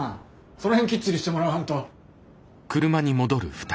その辺きっちりしてもらわんと。